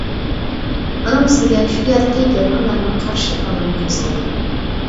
ئۇنىڭ ئۈستىگە شۇ يەردىكى گېرمانلارنىڭ قارشىلىقىنىمۇ قوزغىدى.